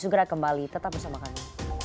segera kembali tetap bersama kami